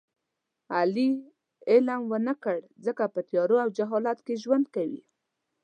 علي علم و نه کړ ځکه په تیارو او جهالت کې ژوند کوي.